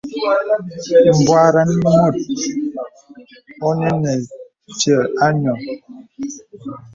M̀bwarəŋ mùt ɔ̀nə nə vyɔ̀ a nyɔ̀.